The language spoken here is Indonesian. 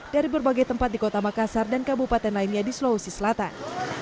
dari berbagai tempat di kota makassar dan kabupaten lainnya di sulawesi selatan